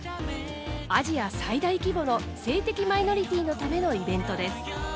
アジア最大規模の性的マイノリティーのためのイベントです。